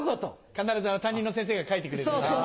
必ず担任の先生が書いてくれるみたいな。